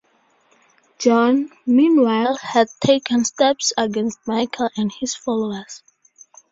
John, meanwhile, had taken steps against Michael and his followers.